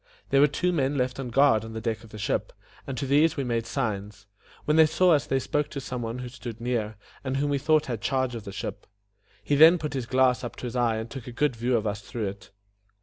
There were two men left on guard on the deck of the ship, and to these we made signs. When they saw us they spoke to some one who stood near, and whom we thought had charge of the ship. He then put his glass up to his eye and took a good view of us through it.